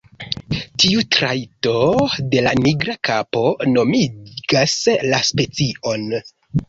Tiu trajto de la nigra kapo nomigas la specion.